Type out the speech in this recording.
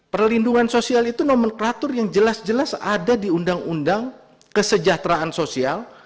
perlindungan sosial itu nomenklatur yang jelas jelas ada di undang undang kesejahteraan sosial